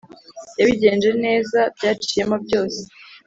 yabigenje neza byaciyemo byose